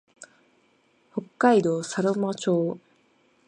北海道佐呂間町